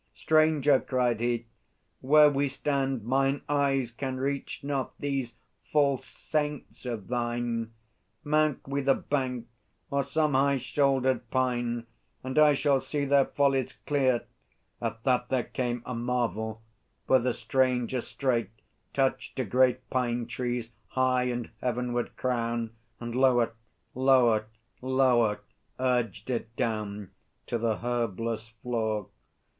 "Stranger," cried he, "where we stand Mine eyes can reach not these false saints of thine. Mount we the bank, or some high shouldered pine, And I shall see their follies clear!" At that There came a marvel. For the Stranger straight Touched a great pine tree's high and heavenward crown, And lower, lower, lower, urged it down To the herbless floor.